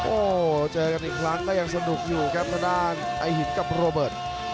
โอ้โหเจอกันอีกครั้งก็ยังสนุกอยู่ครับทางด้านไอ้หินกับโรเบิร์ต